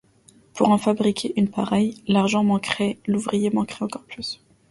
Pour en fabriquer une pareille, l’argent manquerait, l’ouvrier manquerait encore plus.